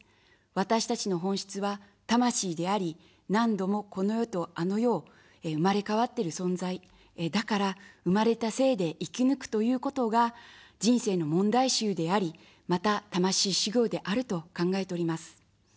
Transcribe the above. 私たちの本質は、魂であり、何度もこの世とあの世を生まれ変わっている存在、だから、生まれた性で生き抜くということが、人生の問題集であり、また魂修行であると考えております。